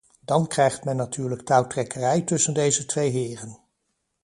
Dan krijgt men natuurlijk touwtrekkerij tussen deze twee heren.